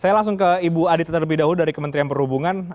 saya langsung ke ibu adita terlebih dahulu dari kementerian perhubungan